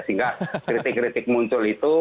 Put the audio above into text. sehingga kritik kritik muncul itu